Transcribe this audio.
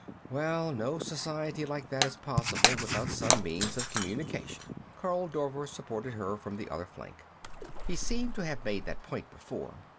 "Well, no society like that is possible without some means of communication," Karl Dorver supported her from the other flank. He seemed to have made that point before.